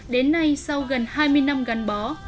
đến nay sau gần hai mươi năm gắn bó